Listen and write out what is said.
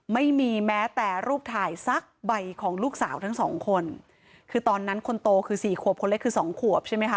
ไม่มีแม้แต่รูปถ่ายสักใบของลูกสาวทั้งสองคนคือตอนนั้นคนโตคือสี่ขวบคนเล็กคือสองขวบใช่ไหมคะ